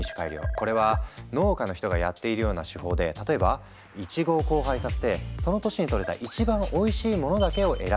これは農家の人がやっているような手法で例えばイチゴを交配させてその年にとれた一番おいしいものだけを選び